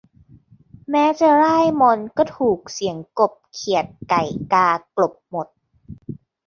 แม้จะร่ายมนต์ ก็ถูกเสียงกบ เขียด ไก่ กา กลบหมด